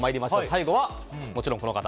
最後はもちろん、この方。